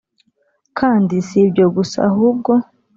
Kandi si ibyo gusa ahubwo